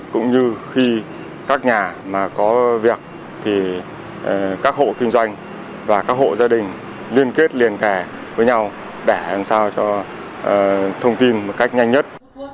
cũng như khi các nhà mà có việc thì các hộ kinh doanh và các hộ gia đình liên kết liên kẻ với nhau để làm sao cho thông tin một cách nhanh nhất